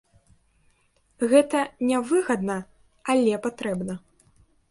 Гэта не выгадна, але патрэбна.